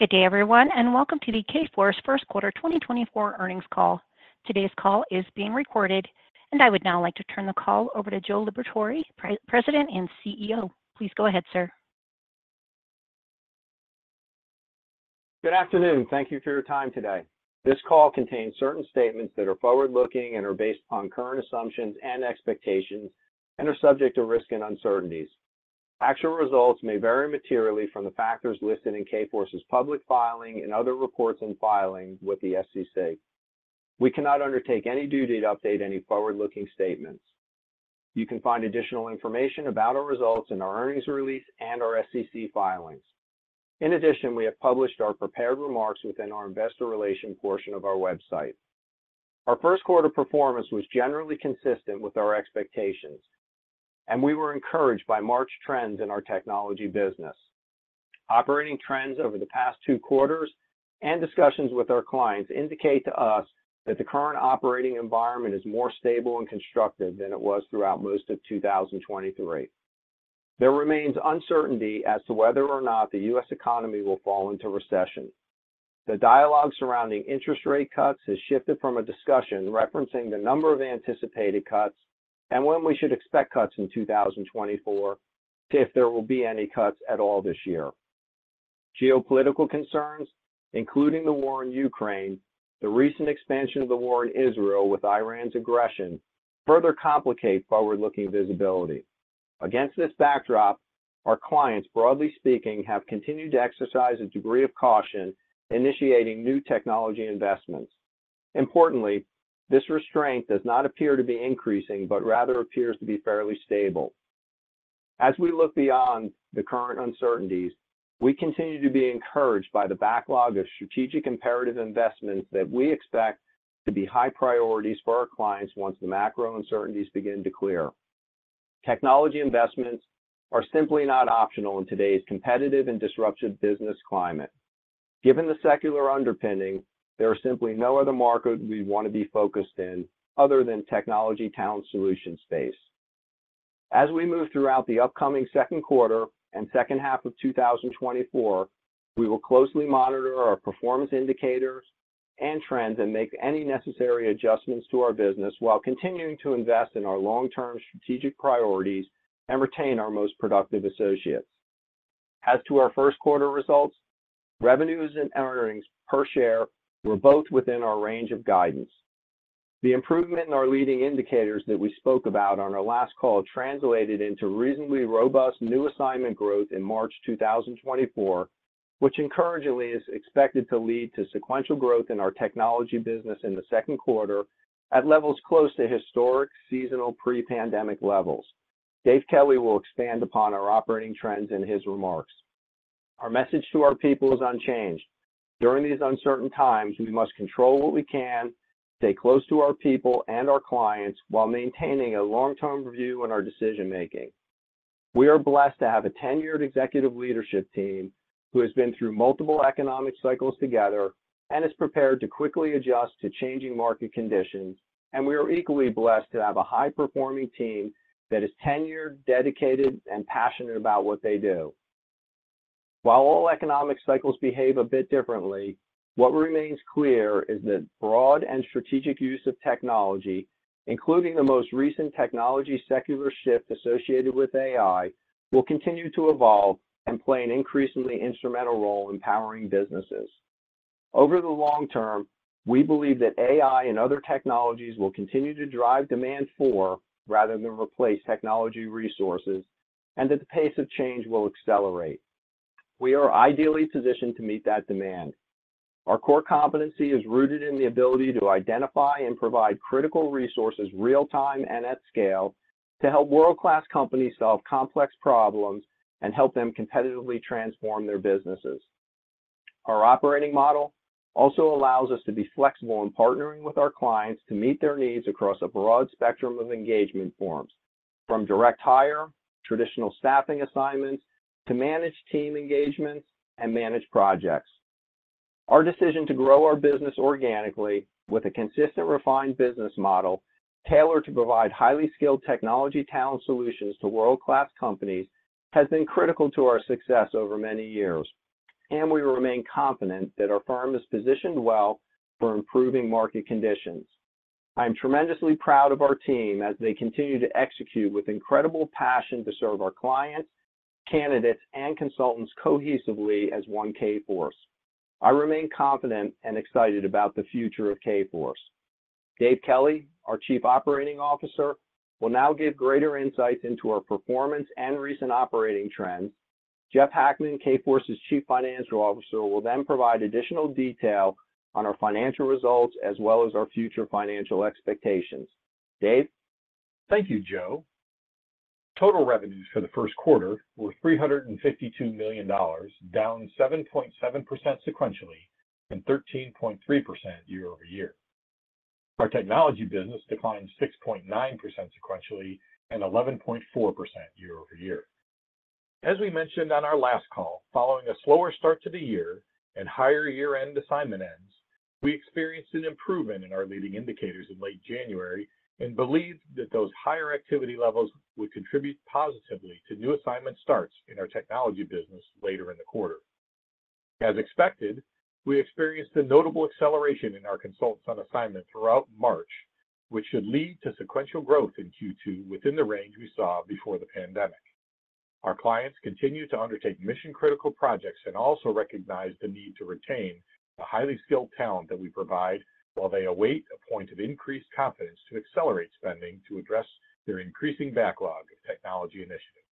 Good day, everyone, and welcome to the Kforce First Quarter 2024 Earnings Call. Today's call is being recorded, and I would now like to turn the call over to Joe Liberatore, President and CEO. Please go ahead, sir. Good afternoon. Thank you for your time today. This call contains certain statements that are forward-looking and are based upon current assumptions and expectations, and are subject to risk and uncertainties. Actual results may vary materially from the factors listed in Kforce's public filing and other reports and filings with the SEC. We cannot undertake any duty to update any forward-looking statements. You can find additional information about our results in our earnings release and our SEC filings. In addition, we have published our prepared remarks within our investor relation portion of our website. Our first quarter performance was generally consistent with our expectations, and we were encouraged by March trends in our technology business. Operating trends over the past two quarters and discussions with our clients indicate to us that the current operating environment is more stable and constructive than it was throughout most of 2023. There remains uncertainty as to whether or not the U.S. economy will fall into recession. The dialogue surrounding interest rate cuts has shifted from a discussion referencing the number of anticipated cuts and when we should expect cuts in 2024, if there will be any cuts at all this year. Geopolitical concerns, including the war in Ukraine, the recent expansion of the war in Israel with Iran's aggression, further complicate forward-looking visibility. Against this backdrop, our clients, broadly speaking, have continued to exercise a degree of caution, initiating new technology investments. Importantly, this restraint does not appear to be increasing, but rather appears to be fairly stable. As we look beyond the current uncertainties, we continue to be encouraged by the backlog of strategic imperative investments that we expect to be high priorities for our clients once the macro uncertainties begin to clear. Technology investments are simply not optional in today's competitive and disruptive business climate. Given the secular underpinning, there are simply no other market we want to be focused in, other than technology talent solution space. As we move throughout the upcoming second quarter and second half of 2024, we will closely monitor our performance indicators and trends and make any necessary adjustments to our business while continuing to invest in our long-term strategic priorities and retain our most productive associates. As to our first quarter results, revenues and earnings per share were both within our range of guidance. The improvement in our leading indicators that we spoke about on our last call translated into reasonably robust new assignment growth in March 2024, which encouragingly is expected to lead to sequential growth in our technology business in the second quarter at levels close to historic, seasonal, pre-pandemic levels. Dave Kelly will expand upon our operating trends in his remarks. Our message to our people is unchanged. During these uncertain times, we must control what we can, stay close to our people and our clients while maintaining a long-term view in our decision-making. We are blessed to have a tenured executive leadership team who has been through multiple economic cycles together and is prepared to quickly adjust to changing market conditions, and we are equally blessed to have a high-performing team that is tenured, dedicated, and passionate about what they do. While all economic cycles behave a bit differently, what remains clear is that broad and strategic use of technology, including the most recent technology secular shift associated with AI, will continue to evolve and play an increasingly instrumental role in powering businesses. Over the long term, we believe that AI and other technologies will continue to drive demand for, rather than replace, technology resources and that the pace of change will accelerate. We are ideally positioned to meet that demand. Our core competency is rooted in the ability to identify and provide critical resources, real-time and at scale, to help world-class companies solve complex problems and help them competitively transform their businesses. Our operating model also allows us to be flexible in partnering with our clients to meet their needs across a broad spectrum of engagement forms, from direct hire, traditional staffing assignments, to managed team engagements and managed projects. Our decision to grow our business organically with a consistent, refined business model, tailored to provide highly skilled technology talent solutions to world-class companies, has been critical to our success over many years, and we remain confident that our firm is positioned well for improving market conditions. I am tremendously proud of our team as they continue to execute with incredible passion to serve our clients, candidates, and consultants cohesively as One Kforce. I remain confident and excited about the future of Kforce. Dave Kelly, our Chief Operating Officer, will now give greater insights into our performance and recent operating trends. Jeff Hackman, Kforce's Chief Financial Officer, will then provide additional detail on our financial results as well as our future financial expectations. Dave? Thank you, Joe. Total revenues for the first quarter were $352 million, down 7.7% sequentially and 13.3% year-over-year. Our technology business declined 6.9% sequentially and 11.4% year-over-year. As we mentioned on our last call, following a slower start to the year and higher year-end assignment ends. We experienced an improvement in our leading indicators in late January and believed that those higher activity levels would contribute positively to new assignment starts in our technology business later in the quarter. As expected, we experienced a notable acceleration in our consultants on assignment throughout March, which should lead to sequential growth in Q2 within the range we saw before the pandemic. Our clients continued to undertake mission-critical projects and also recognized the need to retain the highly skilled talent that we provide, while they await a point of increased confidence to accelerate spending to address their increasing backlog of technology initiatives.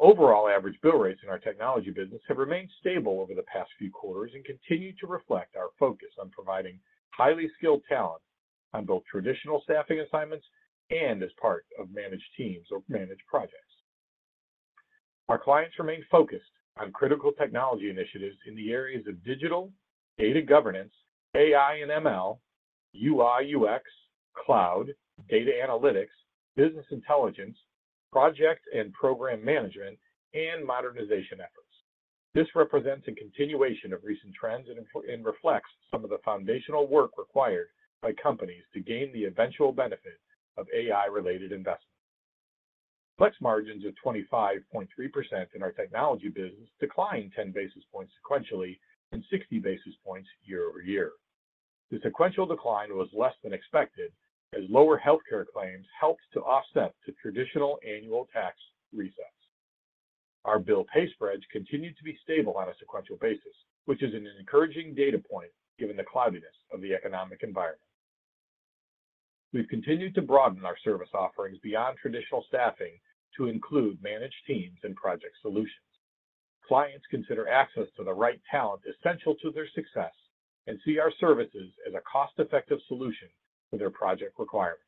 Overall, average bill rates in our technology business have remained stable over the past few quarters and continue to reflect our focus on providing highly skilled talent on both traditional staffing assignments and as part of managed teams or managed projects. Our clients remain focused on critical technology initiatives in the areas of digital, data governance, AI and ML, UI, UX, cloud, data analytics, business intelligence, project and program management, and modernization efforts. This represents a continuation of recent trends and reflects some of the foundational work required by companies to gain the eventual benefit of AI-related investments. Flex margins of 25.3% in our technology business declined 10 basis points sequentially and 60 basis points year-over-year. The sequential decline was less than expected, as lower healthcare claims helped to offset the traditional annual tax resets. Our bill-pay spreads continued to be stable on a sequential basis, which is an encouraging data point given the cloudiness of the economic environment. We've continued to broaden our service offerings beyond traditional staffing to include managed teams and project solutions. Clients consider access to the right talent essential to their success and see our services as a cost-effective solution for their project requirements.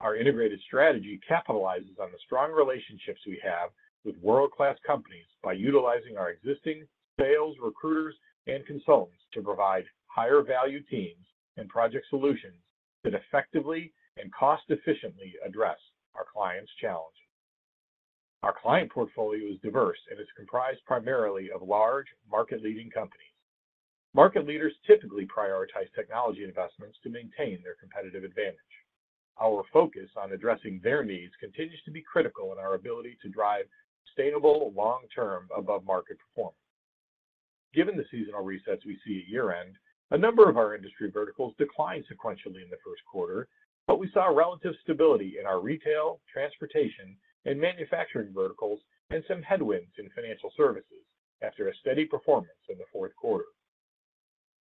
Our integrated strategy capitalizes on the strong relationships we have with world-class companies by utilizing our existing sales, recruiters, and consultants to provide higher-value teams and project solutions that effectively and cost-efficiently address our clients' challenges. Our client portfolio is diverse and is comprised primarily of large, market-leading companies. Market leaders typically prioritize technology investments to maintain their competitive advantage. Our focus on addressing their needs continues to be critical in our ability to drive sustainable, long-term, above-market performance. Given the seasonal resets we see at year-end, a number of our industry verticals declined sequentially in the first quarter, but we saw relative stability in our retail, transportation, and manufacturing verticals, and some headwinds in financial services after a steady performance in the fourth quarter.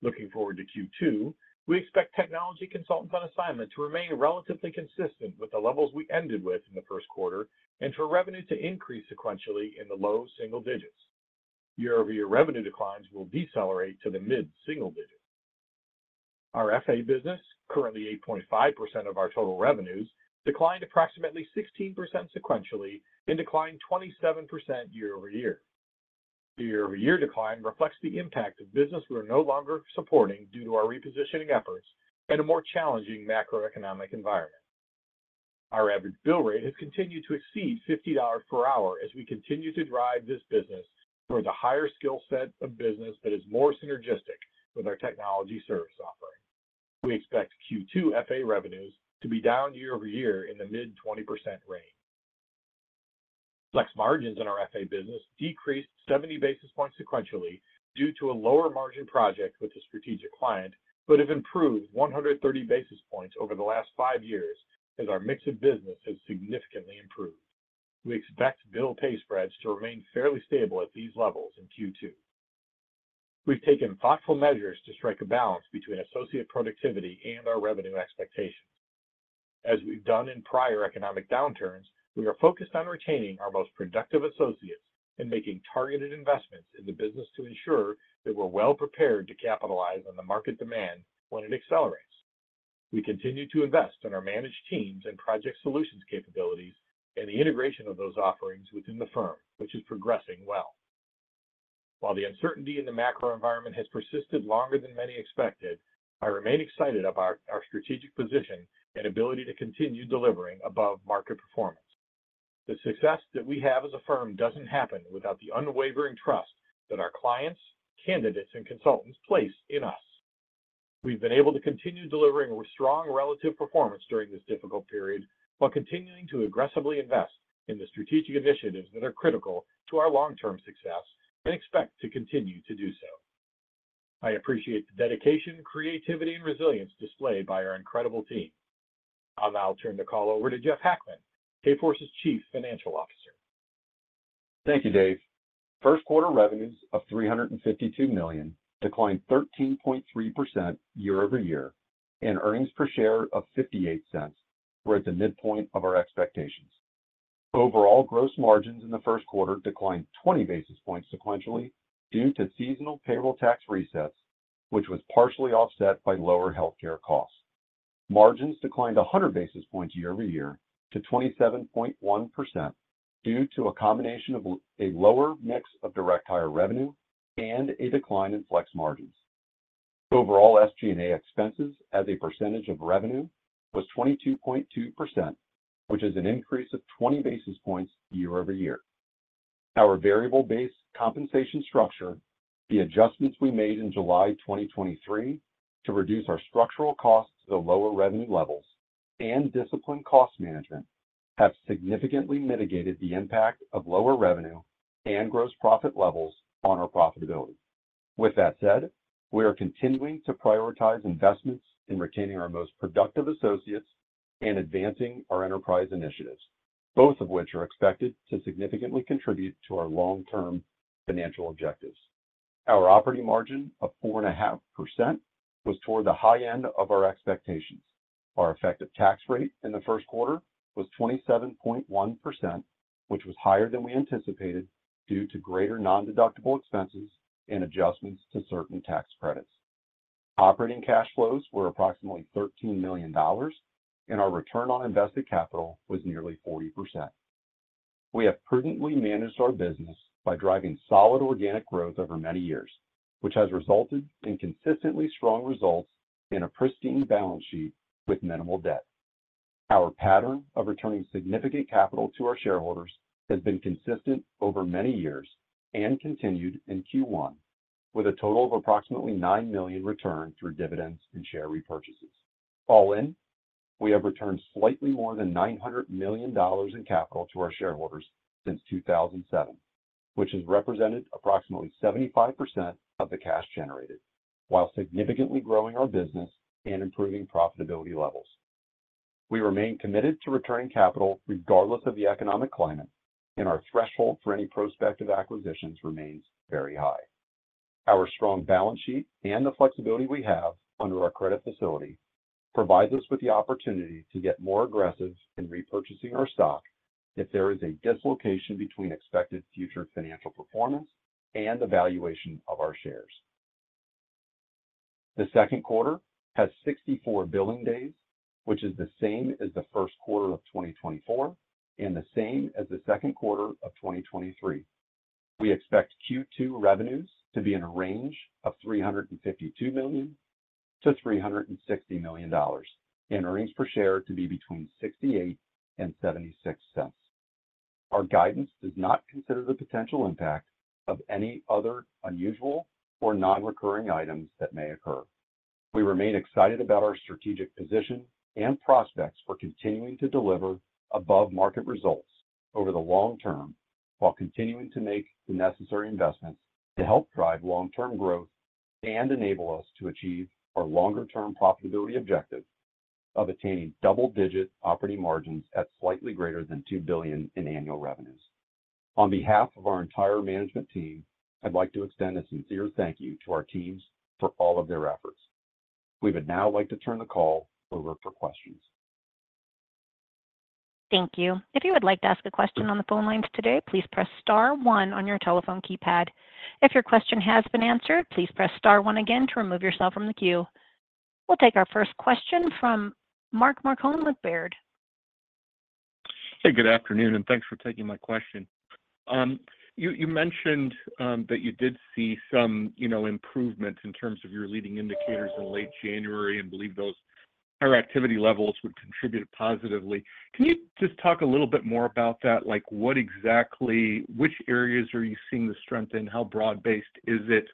Looking forward to Q2, we expect technology consultants on assignment to remain relatively consistent with the levels we ended with in the first quarter and for revenue to increase sequentially in the low single digits. Year-over-year revenue declines will decelerate to the mid-single digits. Our FA business, currently 8.5% of our total revenues, declined approximately 16% sequentially and declined 27% year-over-year. The year-over-year decline reflects the impact of business we are no longer supporting due to our repositioning efforts and a more challenging macroeconomic environment. Our average bill rate has continued to exceed $50 per hour as we continue to drive this business towards a higher skill set of business that is more synergistic with our technology service offering. We expect Q2 FA revenues to be down year-over-year in the mid-20% range. Flex margins in our FA business decreased 70 basis points sequentially due to a lower-margin project with a strategic client, but have improved 130 basis points over the last five years as our mix of business has significantly improved. We expect bill pay spreads to remain fairly stable at these levels in Q2. We've taken thoughtful measures to strike a balance between associate productivity and our revenue expectations. As we've done in prior economic downturns, we are focused on retaining our most productive associates and making targeted investments in the business to ensure that we're well-prepared to capitalize on the market demand when it accelerates. We continue to invest in our managed teams and project solutions capabilities and the integration of those offerings within the firm, which is progressing well. While the uncertainty in the macro environment has persisted longer than many expected, I remain excited about our strategic position and ability to continue delivering above-market performance. The success that we have as a firm doesn't happen without the unwavering trust that our clients, candidates, and consultants place in us. We've been able to continue delivering a strong relative performance during this difficult period, while continuing to aggressively invest in the strategic initiatives that are critical to our long-term success and expect to continue to do so. I appreciate the dedication, creativity, and resilience displayed by our incredible team. I'll now turn the call over to Jeff Hackman, Kforce's Chief Financial Officer. Thank you, Dave. First quarter revenues of $352 million declined 13.3% year-over-year, and earnings per share of $0.58 were at the midpoint of our expectations. Overall, gross margins in the first quarter declined 20 basis points sequentially due to seasonal payroll tax resets, which was partially offset by lower healthcare costs. Margins declined 100 basis points year-over-year to 27.1% due to a combination of a lower mix of direct hire revenue and a decline in flex margins. Overall, SG&A expenses as a percentage of revenue was 22.2%, which is an increase of 20 basis points year-over-year.... Our variable-based compensation structure, the adjustments we made in July 2023 to reduce our structural costs to the lower revenue levels, and disciplined cost management, have significantly mitigated the impact of lower revenue and gross profit levels on our profitability. With that said, we are continuing to prioritize investments in retaining our most productive associates and advancing our enterprise initiatives, both of which are expected to significantly contribute to our long-term financial objectives. Our operating margin of 4.5% was toward the high end of our expectations. Our effective tax rate in the first quarter was 27.1%, which was higher than we anticipated due to greater nondeductible expenses and adjustments to certain tax credits. Operating cash flows were approximately $13 million, and our return on invested capital was nearly 40%. We have prudently managed our business by driving solid organic growth over many years, which has resulted in consistently strong results and a pristine balance sheet with minimal debt. Our pattern of returning significant capital to our shareholders has been consistent over many years and continued in Q1, with a total of approximately $9 million returned through dividends and share repurchases. All in, we have returned slightly more than $900 million in capital to our shareholders since 2007, which has represented approximately 75% of the cash generated, while significantly growing our business and improving profitability levels. We remain committed to returning capital regardless of the economic climate, and our threshold for any prospective acquisitions remains very high. Our strong balance sheet and the flexibility we have under our credit facility provides us with the opportunity to get more aggressive in repurchasing our stock if there is a dislocation between expected future financial performance and the valuation of our shares. The second quarter has 64 billing days, which is the same as the first quarter of 2024 and the same as the second quarter of 2023. We expect Q2 revenues to be in a range of $352 million-$360 million, and earnings per share to be between $0.68 and $0.76. Our guidance does not consider the potential impact of any other unusual or non-recurring items that may occur. We remain excited about our strategic position and prospects for continuing to deliver above-market results over the long term, while continuing to make the necessary investments to help drive long-term growth and enable us to achieve our longer-term profitability objective of attaining double-digit operating margins at slightly greater than $2 billion in annual revenues. On behalf of our entire management team, I'd like to extend a sincere thank you to our teams for all of their efforts. We would now like to turn the call over for questions. Thank you. If you would like to ask a question on the phone lines today, please press star one on your telephone keypad. If your question has been answered, please press star one again to remove yourself from the queue. We'll take our first question from Mark Marcon with Baird. Hey, good afternoon, and thanks for taking my question. You mentioned that you did see some, you know, improvements in terms of your leading indicators in late January and believe those higher activity levels would contribute positively. Can you just talk a little bit more about that? Like, what exactly—which areas are you seeing the strength in? How broad-based is it?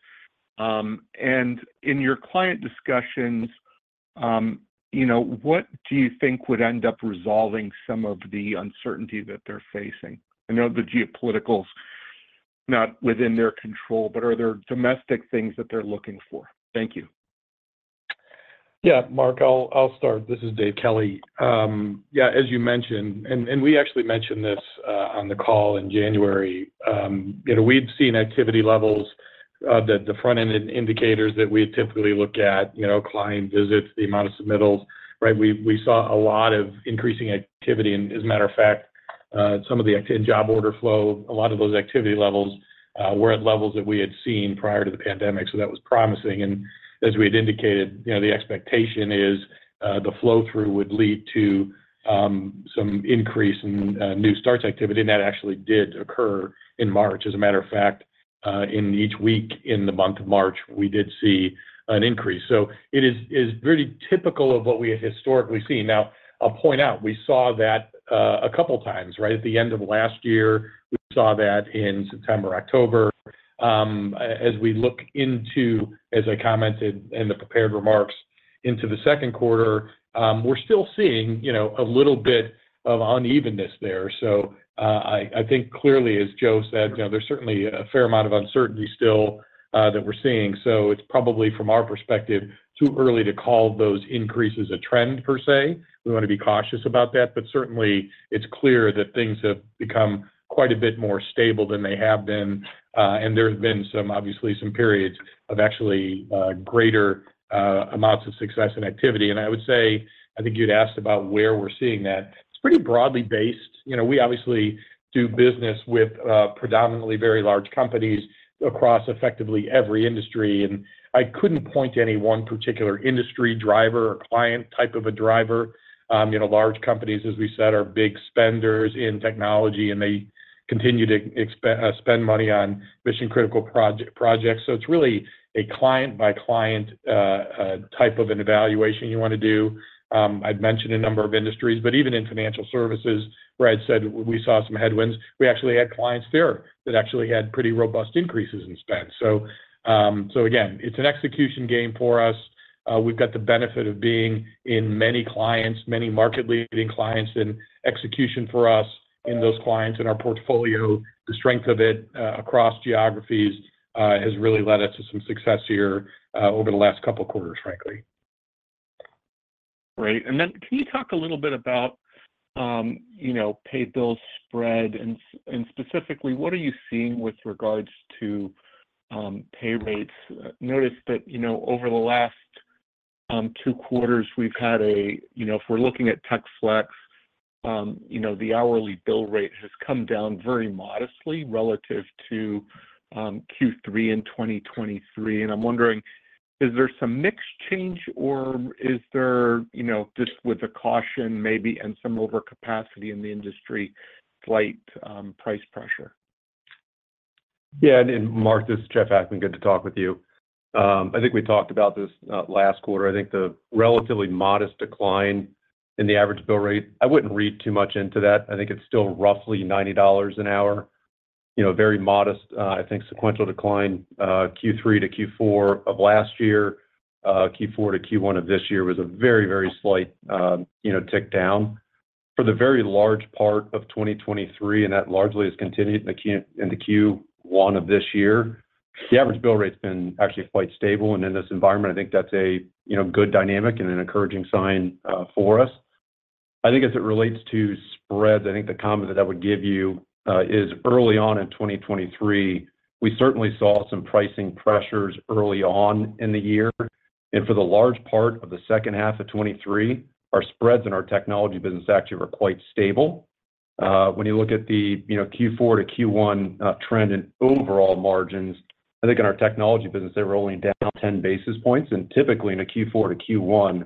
And in your client discussions, you know, what do you think would end up resolving some of the uncertainty that they're facing? I know the geopolitical's not within their control, but are there domestic things that they're looking for? Thank you. Yeah, Mark, I'll start. This is Dave Kelly. Yeah, as you mentioned, and we actually mentioned this on the call in January, you know, we've seen activity levels that the front-end indicators that we typically look at, you know, client visits, the amount of submittals, right? We saw a lot of increasing activity. And as a matter of fact, some of the activity job order flow, a lot of those activity levels were at levels that we had seen prior to the pandemic, so that was promising. And as we had indicated, you know, the expectation is the flow-through would lead to some increase in new starts activity, and that actually did occur in March. As a matter of fact, in each week in the month of March, we did see an increase. So it is very typical of what we have historically seen. Now, I'll point out, we saw that a couple of times, right? At the end of last year, we saw that in September, October. As we look into, as I commented in the prepared remarks, into the second quarter, we're still seeing, you know, a little bit of unevenness there. So, I think clearly, as Joe said, you know, there's certainly a fair amount of uncertainty still that we're seeing. So it's probably, from our perspective, too early to call those increases a trend per se. We want to be cautious about that. But certainly, it's clear that things have become quite a bit more stable than they have been, and there have been some, obviously, some periods of actually greater amounts of success and activity. I would say, I think you'd asked about where we're seeing that. It's pretty broadly based. You know, we obviously do business with predominantly very large companies across effectively every industry, and I couldn't point to any one particular industry driver or client type of a driver. You know, large companies, as we said, are big spenders in technology, and they-... continue to expect to spend money on mission-critical projects. So it's really a client-by-client type of an evaluation you wanna do. I'd mentioned a number of industries, but even in financial services, where I'd said we saw some headwinds, we actually had clients there that actually had pretty robust increases in spend. So, so again, it's an execution game for us. We've got the benefit of being in many clients, many market-leading clients, and execution for us in those clients, in our portfolio, the strength of it, across geographies, has really led us to some success here, over the last couple quarters, frankly. Great. And then can you talk a little bit about, you know, pay bill spread? And, and specifically, what are you seeing with regards to, pay rates? I noticed that, you know, over the last, two quarters, we've had. You know, if we're looking at TxFLEX, you know, the hourly bill rate has come down very modestly relative to, Q3 in 2023. And I'm wondering, is there some mix change or is there, you know, just with the caution maybe and some overcapacity in the industry, slight, price pressure? Yeah. And Mark, this is Jeff Hackman. Good to talk with you. I think we talked about this last quarter. I think the relatively modest decline in the average bill rate, I wouldn't read too much into that. I think it's still roughly $90 an hour, you know, very modest, I think sequential decline, Q3 to Q4 of last year. Q4 to Q1 of this year was a very, very slight, you know, tick down. For the very large part of 2023, and that largely has continued in the Q1 of this year, the average bill rate's been actually quite stable. And in this environment, I think that's a, you know, good dynamic and an encouraging sign, for us. I think as it relates to spreads, I think the comment that I would give you is early on in 2023, we certainly saw some pricing pressures early on in the year. And for the large part of the second half of 2023, our spreads in our technology business actually were quite stable. When you look at the, you know, Q4 to Q1 trend in overall margins, I think in our technology business, they're rolling down ten basis points, and typically in a Q4 to Q1,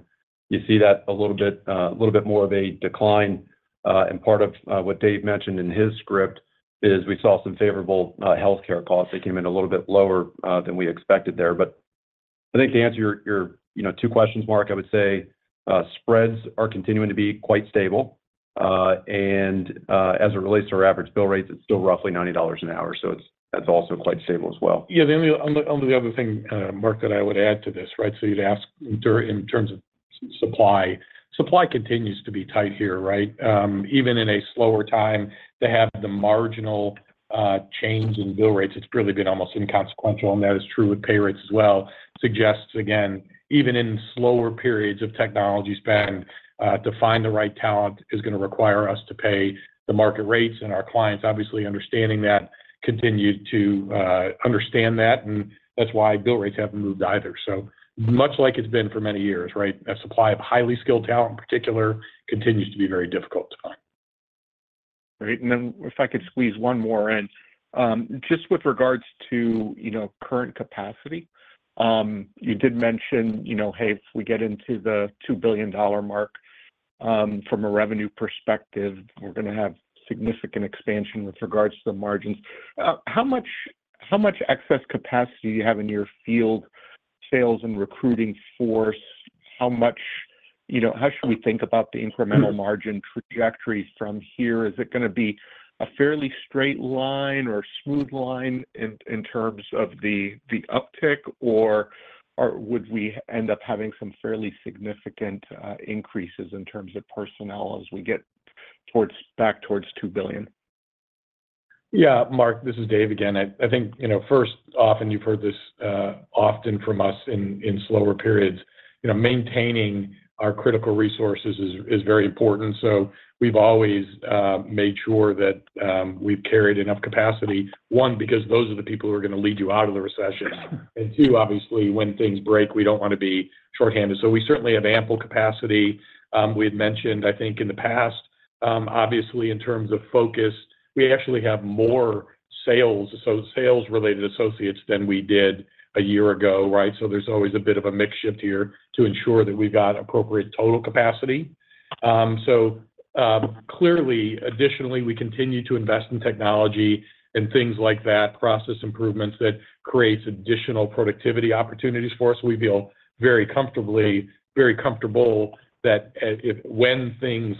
you see that a little bit, a little bit more of a decline. And part of what Dave mentioned in his script is we saw some favorable healthcare costs. They came in a little bit lower than we expected there. But I think to answer your you know two questions, Mark, I would say, spreads are continuing to be quite stable. And as it relates to our average bill rates, it's still roughly $90 an hour, so it's, that's also quite stable as well. Yeah, the only, only other thing, Mark, that I would add to this, right? So you'd asked in terms of supply. Supply continues to be tight here, right? Even in a slower time, to have the marginal change in bill rates, it's really been almost inconsequential, and that is true with pay rates as well. Suggests, again, even in slower periods of technology spend, to find the right talent is gonna require us to pay the market rates, and our clients, obviously, understanding that, continue to understand that, and that's why bill rates haven't moved either. So much like it's been for many years, right? A supply of highly skilled talent, in particular, continues to be very difficult to find. Great. And then if I could squeeze one more in. Just with regards to, you know, current capacity, you did mention, you know, hey, if we get into the $2 billion mark, from a revenue perspective, we're gonna have significant expansion with regards to the margins. How much, how much excess capacity do you have in your field sales and recruiting force? How much... You know, how should we think about the incremental margin trajectory from here? Is it gonna be a fairly straight line or smooth line in terms of the uptick, or would we end up having some fairly significant increases in terms of personnel as we get towards back towards $2 billion? Yeah, Mark, this is Dave again. I think, you know, first off, and you've heard this often from us in slower periods, you know, maintaining our critical resources is very important. So we've always made sure that we've carried enough capacity. One, because those are the people who are gonna lead you out of the recession. And two, obviously, when things break, we don't wanna be shorthanded. So we certainly have ample capacity. We had mentioned, I think, in the past, obviously, in terms of focus, we actually have more sales, so sales-related associates, than we did a year ago, right? So there's always a bit of a mix shift here to ensure that we've got appropriate total capacity. So, clearly, additionally, we continue to invest in technology and things like that, process improvements that creates additional productivity opportunities for us. We feel very comfortable that when things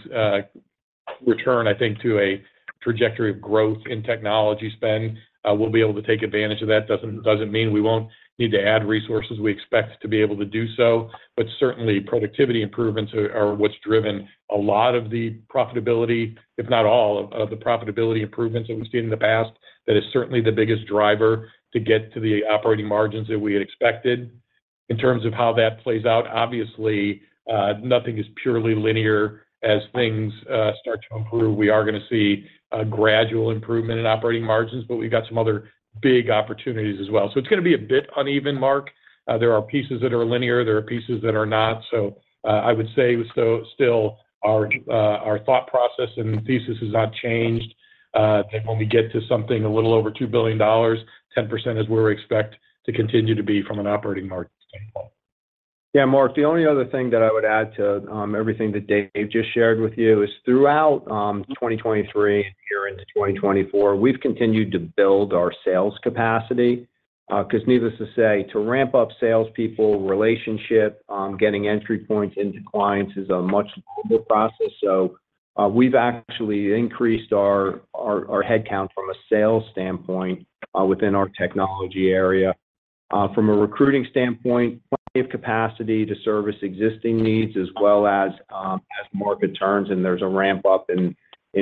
return, I think, to a trajectory of growth in technology spend, we'll be able to take advantage of that. Doesn't mean we won't need to add resources. We expect to be able to do so, but certainly, productivity improvements are what's driven a lot of the profitability, if not all of the profitability improvements that we've seen in the past. That is certainly the biggest driver to get to the operating margins that we had expected. In terms of how that plays out, obviously, nothing is purely linear. As things start to improve, we are gonna see a gradual improvement in operating margins, but we've got some other big opportunities as well. So it's gonna be a bit uneven, Mark. There are pieces that are linear, there are pieces that are not. So, I would say still, our thought process and thesis has not changed, that when we get to something a little over $2 billion, 10% is where we expect to continue to be from an operating margin standpoint.... Yeah, Mark, the only other thing that I would add to everything that Dave just shared with you is throughout 2023 and here into 2024, we've continued to build our sales capacity. 'Cause needless to say, to ramp up salespeople, relationship getting entry points into clients is a much longer process. So, we've actually increased our, our, our headcount from a sales standpoint within our technology area. From a recruiting standpoint, plenty of capacity to service existing needs, as well as, as market turns, and there's a ramp up in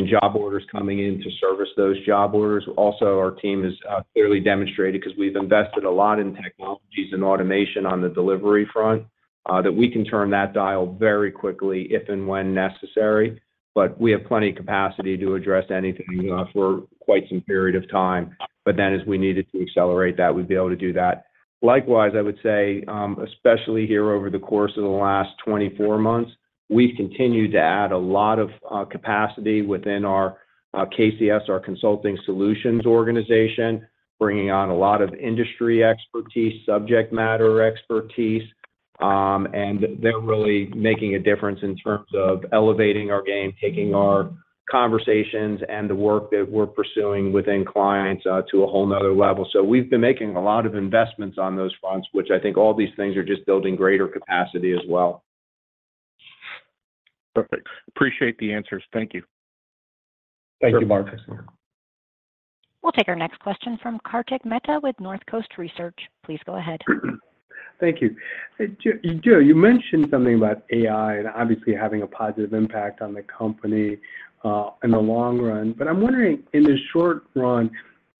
job orders coming in to service those job orders. Also, our team has clearly demonstrated, 'cause we've invested a lot in technologies and automation on the delivery front, that we can turn that dial very quickly, if and when necessary. But we have plenty of capacity to address anything, for quite some period of time. But then, as we needed to accelerate that, we'd be able to do that. Likewise, I would say, especially here over the course of the last 24 months, we've continued to add a lot of capacity within our KCS, our consulting solutions organization, bringing on a lot of industry expertise, subject matter expertise. And they're really making a difference in terms of elevating our game, taking our conversations and the work that we're pursuing within clients, to a whole another level. So we've been making a lot of investments on those fronts, which I think all these things are just building greater capacity as well. Perfect. Appreciate the answers. Thank you. Thank you, Mark. We'll take our next question from Kartik Mehta with North Coast Research. Please go ahead. Thank you. Joe, you mentioned something about AI and obviously having a positive impact on the company in the long run. But I'm wondering, in the short run,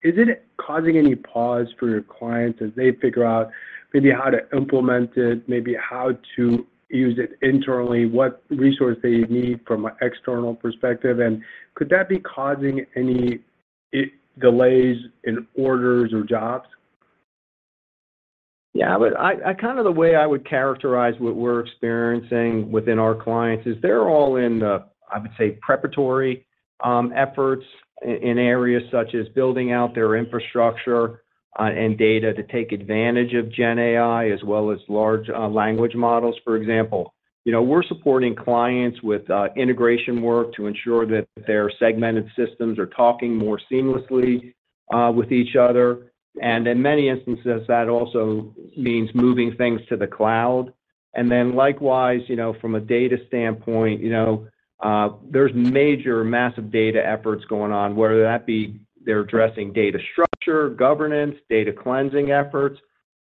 is it causing any pause for your clients as they figure out maybe how to implement it, maybe how to use it internally, what resource they need from an external perspective? And could that be causing any delays in orders or jobs? Yeah, but kind of the way I would characterize what we're experiencing within our clients is they're all in the, I would say, preparatory efforts in areas such as building out their infrastructure and data to take advantage of GenAI, as well as large language models, for example. You know, we're supporting clients with integration work to ensure that their segmented systems are talking more seamlessly with each other. And in many instances, that also means moving things to the cloud. And then likewise, you know, from a data standpoint, you know, there's major massive data efforts going on, whether that be they're addressing data structure, governance, data cleansing efforts.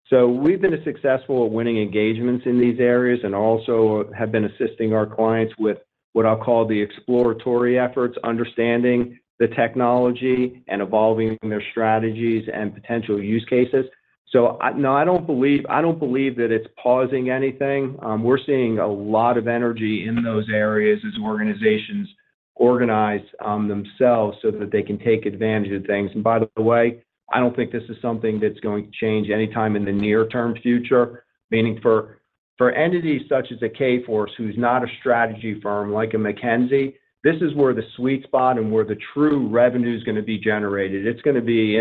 So we've been successful at winning engagements in these areas and also have been assisting our clients with what I'll call the exploratory efforts, understanding the technology and evolving their strategies and potential use cases. So I—no, I don't believe, I don't believe that it's pausing anything. We're seeing a lot of energy in those areas as organizations organize themselves so that they can take advantage of things. And by the way, I don't think this is something that's going to change anytime in the near-term future. Meaning for, for entities such as a Kforce, who's not a strategy firm like a McKinsey, this is where the sweet spot and where the true revenue is gonna be generated. It's gonna be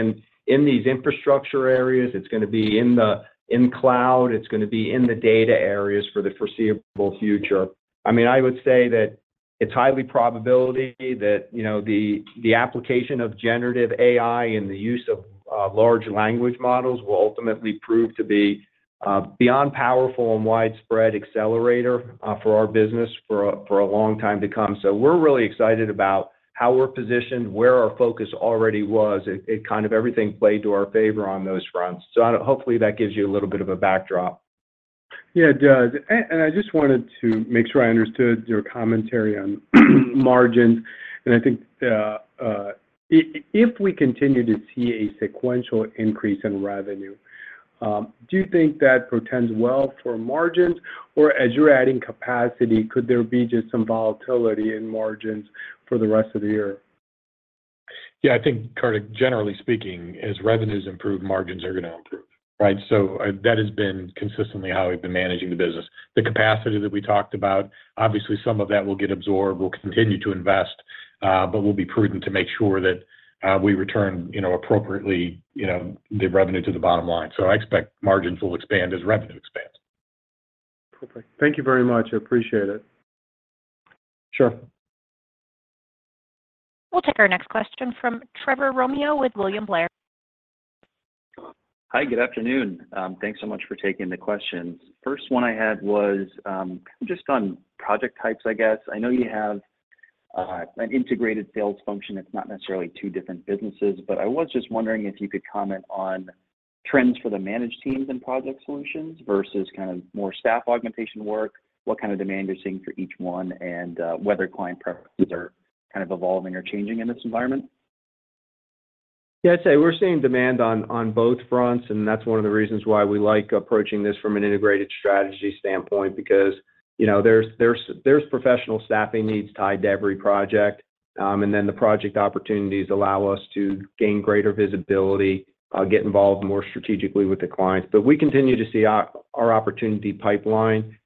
in, in these infrastructure areas, it's gonna be in the, in cloud, it's gonna be in the data areas for the foreseeable future. I mean, I would say that it's highly probability that, you know, the application of generative AI and the use of large language models will ultimately prove to be beyond powerful and widespread accelerator for our business for a long time to come. So we're really excited about how we're positioned, where our focus already was. It kind of everything played to our favor on those fronts. So I don't—hopefully, that gives you a little bit of a backdrop. Yeah, it does. And I just wanted to make sure I understood your commentary on margins. And I think, if we continue to see a sequential increase in revenue, do you think that portends well for margins? Or as you're adding capacity, could there be just some volatility in margins for the rest of the year? Yeah, I think, Kartik, generally speaking, as revenues improve, margins are gonna improve, right? So, that has been consistently how we've been managing the business. The capacity that we talked about, obviously, some of that will get absorbed. We'll continue to invest, but we'll be prudent to make sure that, we return, you know, appropriately, you know, the revenue to the bottom line. So I expect margins will expand as revenue expands. Perfect. Thank you very much. I appreciate it. Sure. We'll take our next question from Trevor Romeo with William Blair. Hi, good afternoon. Thanks so much for taking the questions. First one I had was, just on project types, I guess. I know you have, an integrated sales function. It's not necessarily two different businesses, but I was just wondering if you could comment on trends for the managed teams and project solutions versus kind of more staff augmentation work, what kind of demand you're seeing for each one, and, whether client preferences are kind of evolving or changing in this environment? Yeah, I'd say we're seeing demand on both fronts, and that's one of the reasons why we like approaching this from an integrated strategy standpoint, because, you know, there's professional staffing needs tied to every project. And then the project opportunities allow us to gain greater visibility, get involved more strategically with the clients. But we continue to see our opportunity pipeline,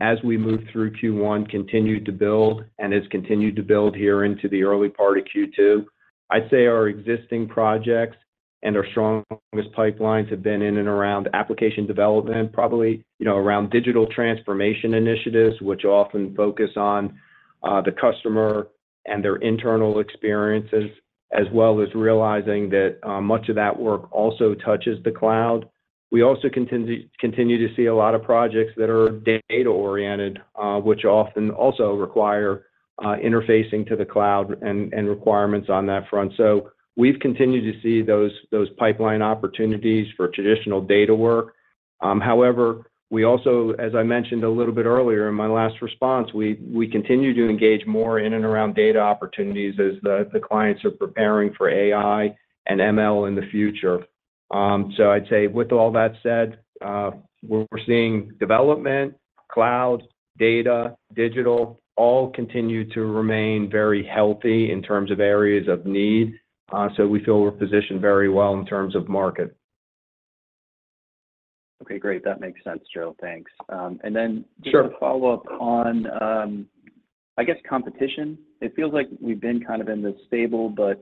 as we move through Q1, continued to build and has continued to build here into the early part of Q2. I'd say our existing projects and our strongest pipelines have been in and around application development, probably, you know, around digital transformation initiatives, which often focus on the customer and their internal experiences, as well as realizing that much of that work also touches the cloud. We also continue to see a lot of projects that are data-oriented, which often also require interfacing to the cloud and requirements on that front. So we've continued to see those pipeline opportunities for traditional data work. However, we also, as I mentioned a little bit earlier in my last response, we continue to engage more in and around data opportunities as the clients are preparing for AI and ML in the future. So I'd say with all that said, we're seeing development, cloud, data, digital, all continue to remain very healthy in terms of areas of need. So we feel we're positioned very well in terms of market. Okay, great. That makes sense, Joe. Thanks. And then- Sure. To follow up on, I guess, competition, it feels like we've been kind of in this stable, but,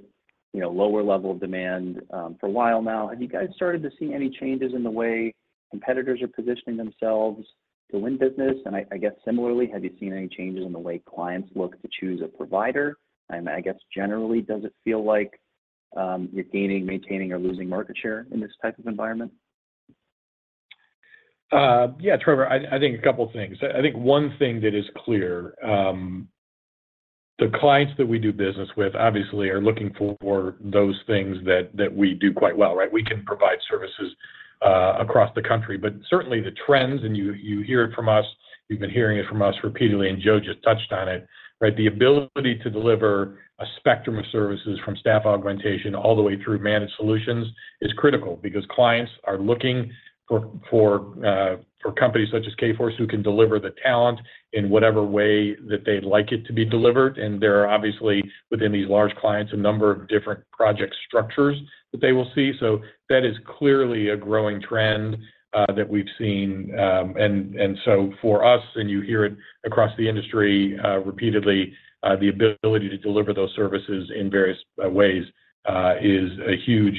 you know, lower level demand, for a while now. Have you guys started to see any changes in the way competitors are positioning themselves to win business? And I guess, similarly, have you seen any changes in the way clients look to choose a provider? And I guess, generally, does it feel like, you're gaining, maintaining, or losing market share in this type of environment? Yeah, Trevor, I think a couple things. I think one thing that is clear, the clients that we do business with obviously are looking for those things that we do quite well, right? We can provide services across the country, but certainly the trends, and you hear it from us, you've been hearing it from us repeatedly, and Joe just touched on it, right? The ability to deliver a spectrum of services from staff augmentation all the way through managed solutions is critical because clients are looking for companies such as Kforce, who can deliver the talent in whatever way that they'd like it to be delivered. There are obviously, within these large clients, a number of different project structures that they will see. So that is clearly a growing trend that we've seen. And so for us, and you hear it across the industry repeatedly, the ability to deliver those services in various ways is a huge,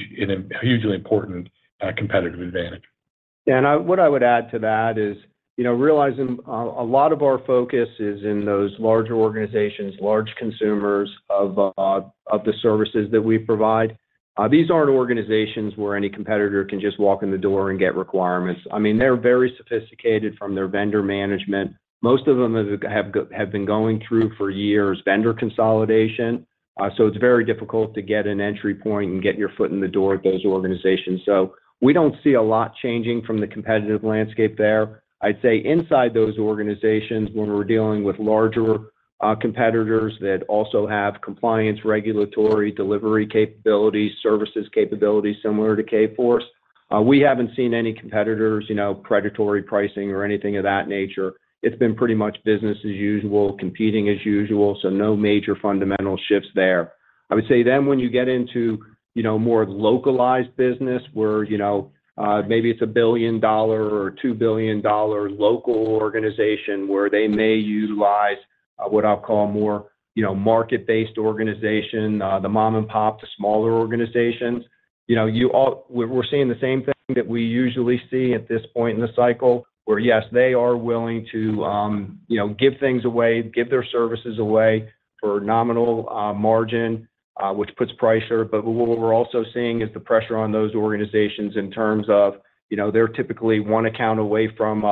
hugely important competitive advantage. What I would add to that is, you know, realizing a lot of our focus is in those larger organizations, large consumers of the services that we provide. These aren't organizations where any competitor can just walk in the door and get requirements. I mean, they're very sophisticated from their vendor management. Most of them have been going through for years, vendor consolidation. So it's very difficult to get an entry point and get your foot in the door at those organizations. So we don't see a lot changing from the competitive landscape there. I'd say inside those organizations, when we're dealing with larger competitors that also have compliance, regulatory, delivery capabilities, services capabilities similar to Kforce, we haven't seen any competitors, you know, predatory pricing or anything of that nature. It's been pretty much business as usual, competing as usual, so no major fundamental shifts there. I would say then when you get into, you know, more localized business where, you know, maybe it's a $1 billion or $2 billion local organization, where they may utilize, what I'll call a more, you know, market-based organization, the mom-and-pop, the smaller organizations, you know, we're seeing the same thing that we usually see at this point in the cycle, where, yes, they are willing to, you know, give things away, give their services away for nominal margin, which puts pressure. But what we're also seeing is the pressure on those organizations in terms of, you know, they're typically 1 account away from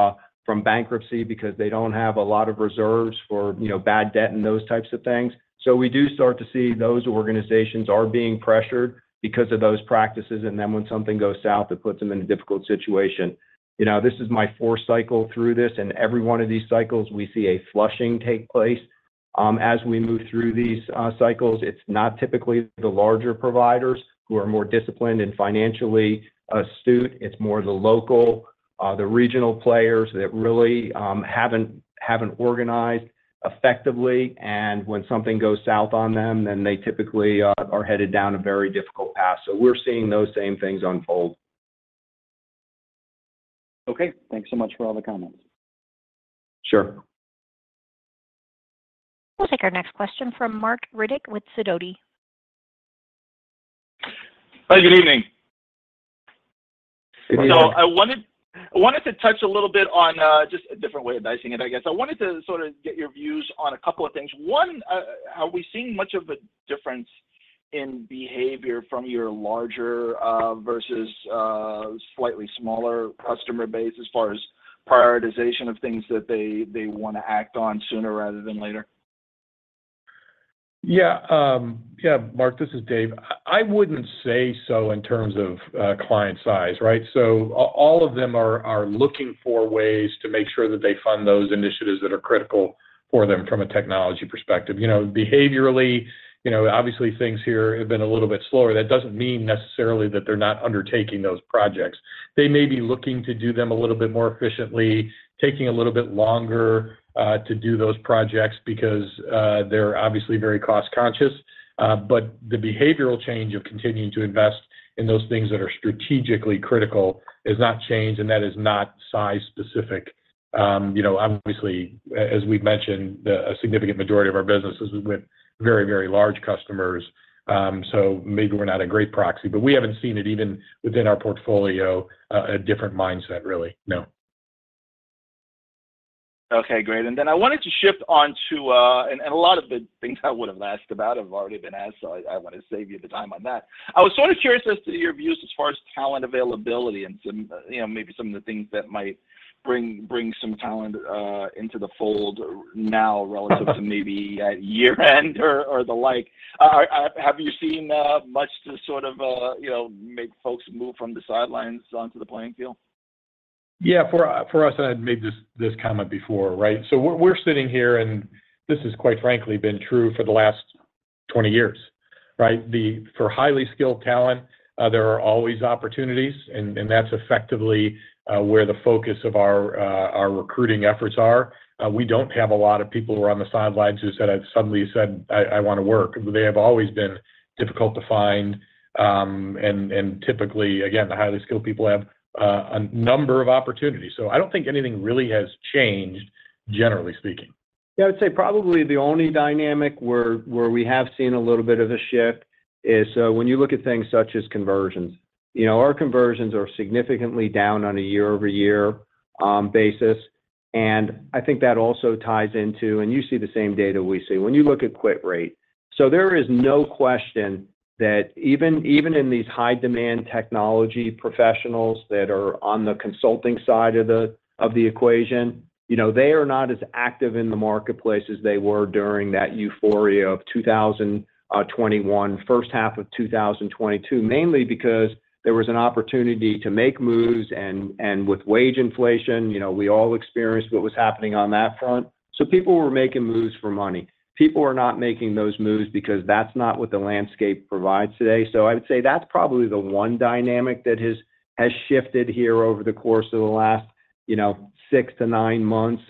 bankruptcy because they don't have a lot of reserves for, you know, bad debt and those types of things. So we do start to see those organizations are being pressured because of those practices, and then when something goes south, it puts them in a difficult situation. You know, this is my fourth cycle through this, and every one of these cycles, we see a flushing take place. As we move through these cycles, it's not typically the larger providers who are more disciplined and financially astute. It's more the local, the regional players that really haven't organized effectively, and when something goes south on them, then they typically are headed down a very difficult path. So we're seeing those same things unfold. Okay. Thanks so much for all the comments. Sure. We'll take our next question from Mark Riddick with Sidoti. Hi, good evening. Good evening. Good evening. So I wanted to touch a little bit on just a different way of dicing it, I guess. I wanted to sort of get your views on a couple of things. One, are we seeing much of a difference in behavior from your larger versus slightly smaller customer base as far as prioritization of things that they wanna act on sooner rather than later? Yeah, Yeah, Mark, this is Dave. I wouldn't say so in terms of, client size, right? So all of them are looking for ways to make sure that they fund those initiatives that are critical for them from a technology perspective. You know, behaviorally, you know, obviously, things here have been a little bit slower. That doesn't mean necessarily that they're not undertaking those projects. They may be looking to do them a little bit more efficiently, taking a little bit longer, to do those projects because, they're obviously very cost-conscious. But the behavioral change of continuing to invest in those things that are strategically critical has not changed, and that is not size-specific. You know, obviously, as we've mentioned, the significant majority of our business is with very, very large customers. So maybe we're not a great proxy, but we haven't seen it even within our portfolio, a different mindset, really. No. Okay, great. And then I wanted to shift on to, and a lot of the things I would've asked about have already been asked, so I wanna save you the time on that. I was sort of curious as to your views as far as talent availability and some, you know, maybe some of the things that might bring some talent into the fold now relative to maybe at year-end or the like. Have you seen much to sort of, you know, make folks move from the sidelines onto the playing field? Yeah, for us, and I've made this comment before, right? So we're sitting here, and this has, quite frankly, been true for the last 20 years, right? For highly skilled talent, there are always opportunities, and that's effectively where the focus of our recruiting efforts are. We don't have a lot of people who are on the sidelines who have suddenly said, "I wanna work." They have always been difficult to find. And typically, again, the highly skilled people have a number of opportunities, so I don't think anything really has changed, generally speaking. Yeah, I'd say probably the only dynamic where we have seen a little bit of a shift is, so when you look at things such as conversions. You know, our conversions are significantly down on a year-over-year basis, and I think that also ties into... And you see the same data we see, when you look at quit rate. So there is no question that even in these high-demand technology professionals that are on the consulting side of the equation, you know, they are not as active in the marketplace as they were during that euphoria of 2021, first half of 2022. Mainly because there was an opportunity to make moves, and with wage inflation, you know, we all experienced what was happening on that front. So people were making moves for money. People are not making those moves because that's not what the landscape provides today. So I'd say that's probably the one dynamic that has shifted here over the course of the last, you know, 6-9 months,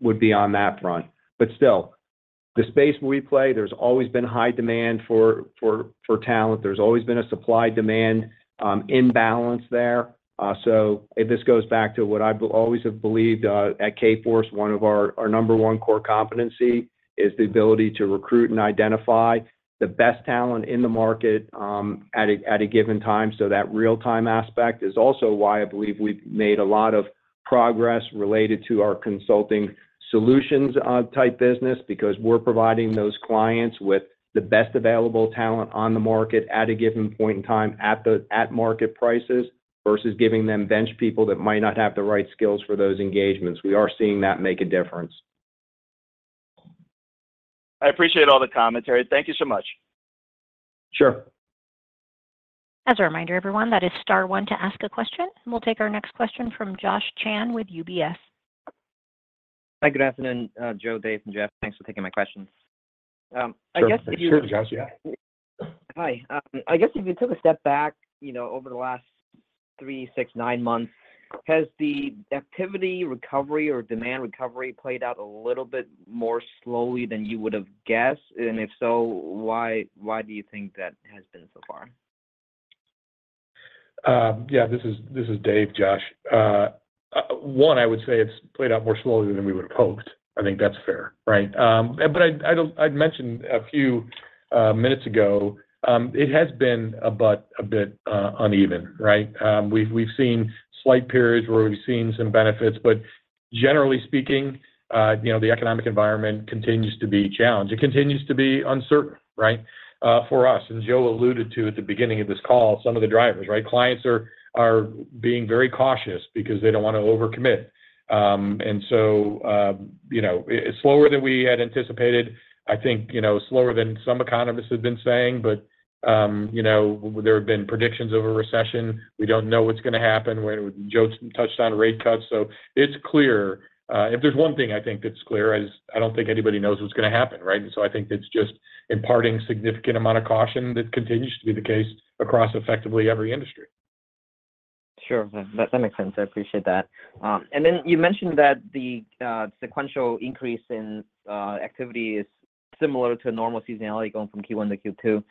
would be on that front. But still, the space we play, there's always been high demand for talent. There's always been a supply-demand imbalance there. So and this goes back to what I always have believed. At Kforce, one of our... Our number one core competency is the ability to recruit and identify the best talent in the market, at a given time. So that real-time aspect is also why I believe we've made a lot of progress related to our consulting solutions type business, because we're providing those clients with the best available talent on the market at a given point in time, at the at-market prices, versus giving them bench people that might not have the right skills for those engagements. We are seeing that make a difference. I appreciate all the commentary. Thank you so much. Sure. As a reminder, everyone, that is star one to ask a question. We'll take our next question from Josh Chan with UBS. Hi, good afternoon, Joe, Dave, and Jeff. Thanks for taking my questions. I guess if you- Sure, Josh. Yeah. Hi. I guess if you took a step back, you know, over the last 3, 6, 9 months, has the activity recovery or demand recovery played out a little bit more slowly than you would've guessed? If so, why, why do you think that has been so far? Yeah, this is Dave, Josh. I would say it's played out more slowly than we would've hoped. I think that's fair, right? But I'd mentioned a few minutes ago, it has been a bit uneven, right? We've seen slight periods where we've seen some benefits, but generally speaking, you know, the economic environment continues to be challenged. It continues to be uncertain, right? For us, as Joe alluded to at the beginning of this call, some of the drivers, right? Clients are being very cautious because they don't wanna overcommit. And so, you know, it's slower than we had anticipated. I think, you know, slower than some economists have been saying, but, you know, there have been predictions of a recession. We don't know what's gonna happen, when Joe touched on rate cuts. So it's clear, if there's one thing I think that's clear, is I don't think anybody knows what's gonna happen, right? And so I think it's just imparting significant amount of caution that continues to be the case across effectively every industry. Sure. That makes sense. I appreciate that. And then you mentioned that the sequential increase in activity is similar to normal seasonality, going from Q1 to Q2.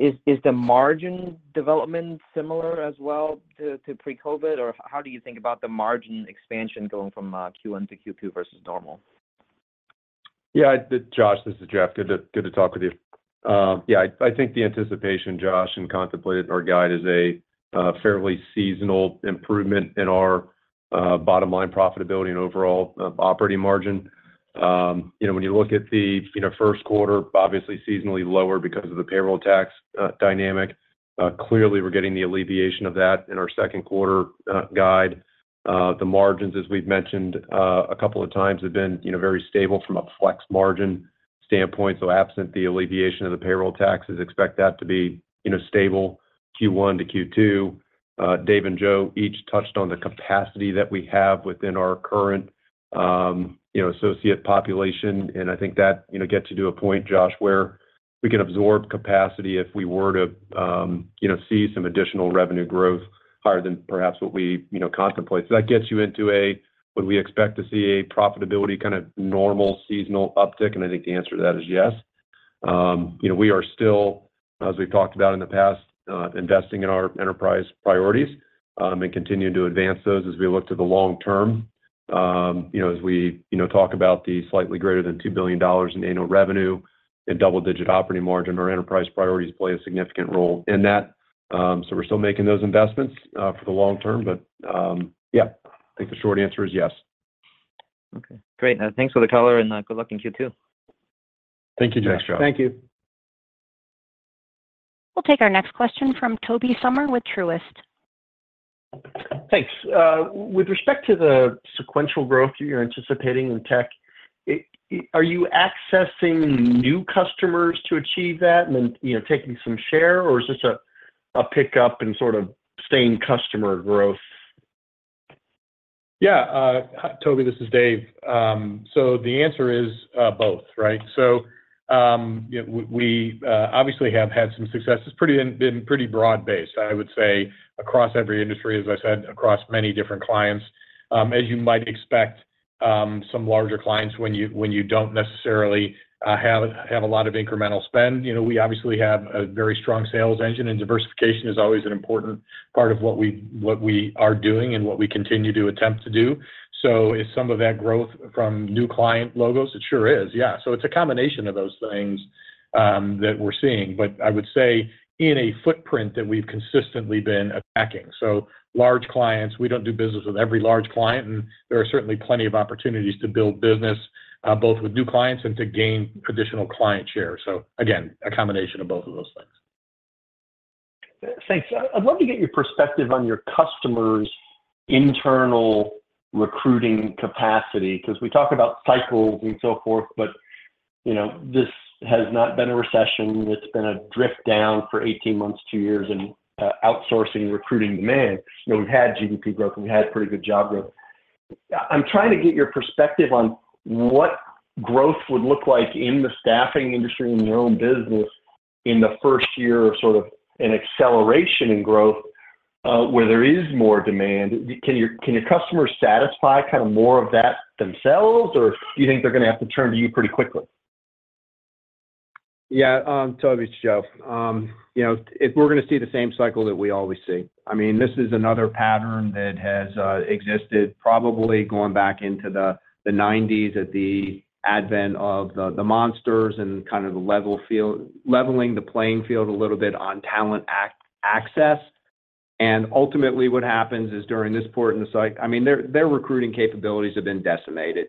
Is the margin development similar as well to pre-COVID, or how do you think about the margin expansion going from Q1 to Q2 versus normal? Yeah, Josh, this is Jeff. Good to talk with you. Yeah, I think the anticipation, Josh, and contemplated our guide is a fairly seasonal improvement in our bottom line profitability and overall operating margin. You know, when you look at the, you know, first quarter, obviously seasonally lower because of the payroll tax dynamic. Clearly, we're getting the alleviation of that in our second quarter guide. The margins, as we've mentioned a couple of times, have been, you know, very stable from a flex margin standpoint. So absent the alleviation of the payroll taxes, expect that to be, you know, stable Q1 to Q2. Dave and Joe each touched on the capacity that we have within our current, you know, associate population, and I think that, you know, gets you to a point, Josh, where we can absorb capacity if we were to, you know, see some additional revenue growth higher than perhaps what we, you know, contemplate. So that gets you into a, would we expect to see a profitability kind of normal seasonal uptick? And I think the answer to that is yes.... you know, we are still, as we've talked about in the past, investing in our enterprise priorities, and continuing to advance those as we look to the long term. You know, as we, you know, talk about the slightly greater than $2 billion in annual revenue and double-digit operating margin, our enterprise priorities play a significant role in that. So we're still making those investments, for the long term, but, yeah, I think the short answer is yes. Okay, great. Now, thanks for the color, and good luck in Q2. Thank you, Josh. Thank you. We'll take our next question from Tobey Sommer with Truist. Thanks. With respect to the sequential growth you're anticipating in tech, are you accessing new customers to achieve that and then, you know, taking some share, or is this a pickup in sort of staying customer growth? Yeah, Toby, this is Dave. So the answer is, both, right? So, we obviously have had some success. It's been pretty broad-based, I would say, across every industry, as I said, across many different clients. As you might expect, some larger clients, when you don't necessarily have a lot of incremental spend, you know, we obviously have a very strong sales engine, and diversification is always an important part of what we are doing and what we continue to attempt to do. So is some of that growth from new client logos? It sure is, yeah. So it's a combination of those things that we're seeing, but I would say in a footprint that we've consistently been attacking. So large clients, we don't do business with every large client, and there are certainly plenty of opportunities to build business, both with new clients and to gain traditional client share. So again, a combination of both of those things. Thanks. I'd love to get your perspective on your customers' internal recruiting capacity, 'cause we talk about cycles and so forth, but, you know, this has not been a recession. It's been a drift down for 18 months, 2 years, in outsourcing recruiting demand. You know, we've had GDP growth, and we've had pretty good job growth. I'm trying to get your perspective on what growth would look like in the staffing industry, in your own business, in the first year of sort of an acceleration in growth, where there is more demand. Can your, can your customers satisfy kind of more of that themselves, or do you think they're gonna have to turn to you pretty quickly? Yeah, Toby, it's Joe. You know, if we're gonna see the same cycle that we always see. I mean, this is another pattern that has existed probably going back into the nineties, at the advent of the monsters and kind of the leveling the playing field a little bit on talent access. And ultimately, what happens is, during this part in the cycle. I mean, their recruiting capabilities have been decimated.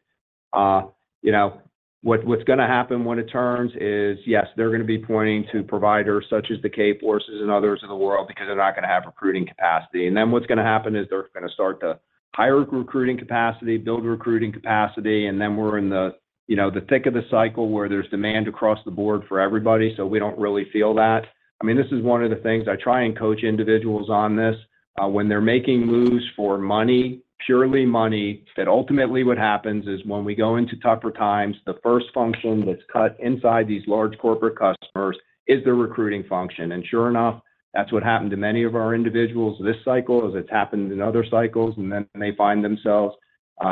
You know, what's gonna happen when it turns is, yes, they're gonna be pointing to providers such as the Kforces and others in the world because they're not gonna have recruiting capacity. Then what's gonna happen is they're gonna start to hire recruiting capacity, build recruiting capacity, and then we're in the, you know, the thick of the cycle where there's demand across the board for everybody, so we don't really feel that. I mean, this is one of the things I try and coach individuals on this. When they're making moves for money, purely money, that ultimately what happens is when we go into tougher times, the first function that's cut inside these large corporate customers is the recruiting function. And sure enough, that's what happened to many of our individuals this cycle, as it's happened in other cycles, and then they find themselves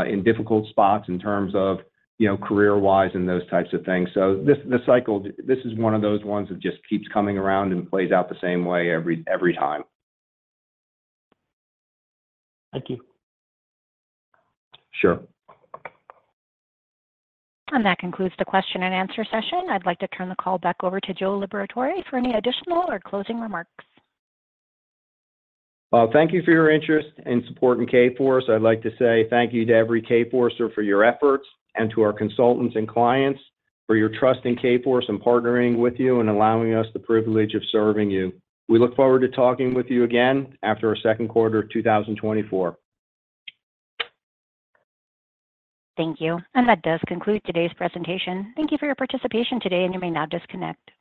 in difficult spots in terms of, you know, career-wise and those types of things. So, this cycle is one of those ones that just keeps coming around and plays out the same way every time. Thank you. Sure. That concludes the question and answer session. I'd like to turn the call back over to Joe Liberatore for any additional or closing remarks. Well, thank you for your interest in supporting Kforce. I'd like to say thank you to every Kforcer for your efforts and to our consultants and clients for your trust in Kforce and partnering with you and allowing us the privilege of serving you. We look forward to talking with you again after our second quarter of 2024. Thank you. That does conclude today's presentation. Thank you for your participation today, and you may now disconnect.